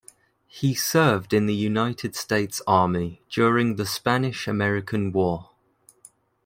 He served in the United States Army during the Spanish-American War.